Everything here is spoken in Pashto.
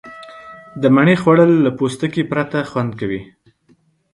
خوړل د مڼې سره خوند کوي